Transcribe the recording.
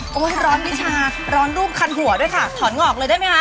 โอ้ขอร้อนมิจฉาร้อนลูกคันหัวด้วยค่ะถอนงอกได้ไหมคะ